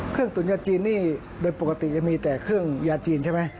ตุ๋นยาจีนนี่โดยปกติจะมีแต่เครื่องยาจีนใช่ไหม